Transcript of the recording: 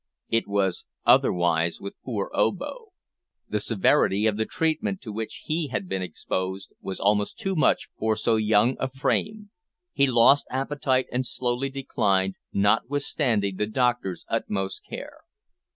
It was otherwise with poor Obo. The severity of the treatment to which he had been exposed was almost too much for so young a frame. He lost appetite and slowly declined, notwithstanding the doctor's utmost care.